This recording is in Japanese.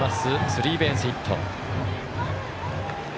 スリーベースヒット。